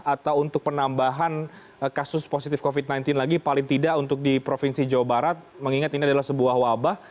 atau untuk penambahan kasus positif covid sembilan belas lagi paling tidak untuk di provinsi jawa barat mengingat ini adalah sebuah wabah